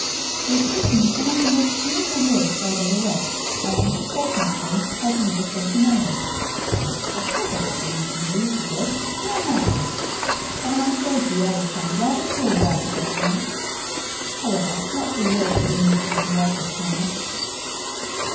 They seemed to me some of the most beautiful words I had ever read; and, fortunately, I committed them to memory. Of course, I will sing them to you, if you wish, here and now. But I am afraid the air will sound rather poor without the accompaniment. However, not for worlds would I move from here, at this moment."